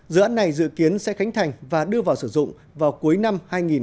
dự án này dự kiến sẽ khánh thành và đưa vào sử dụng vào cuối năm hai nghìn hai mươi